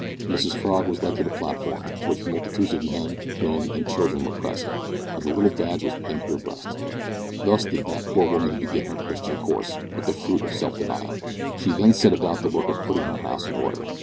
Mrs Frog was led to the platform, to which multitudes of men, women, and children were pressing, and the little badge was pinned to her breast. Thus did that poor woman begin her Christian course with the fruit of self denial. She then set about the work of putting her house in order.